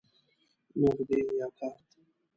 نغدی یا کارت؟